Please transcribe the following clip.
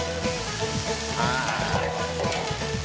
ああ。